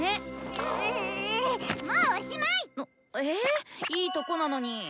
えいいとこなのに。